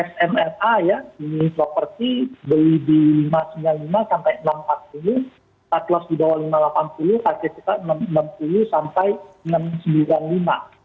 enam puluh sampai enam ratus sembilan puluh lima